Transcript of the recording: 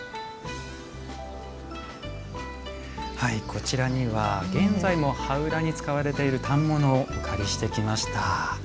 こちらには現在も羽裏に使われている反物をお借りしてきました。